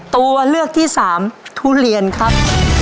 ตัวเลือกที่สามทุเรียนครับ